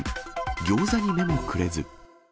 ギョーザに目もくれず。